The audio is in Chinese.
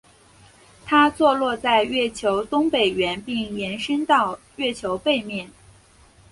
它坐落在月球东北缘并延伸到月球背面。